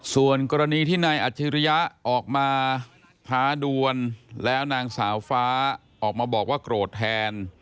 ส่วนกรณีที่นายอัจฉริยะออกมาท้าดวนแล้วนางสาวฟ้าออกมาบอกว่าโกรธแทน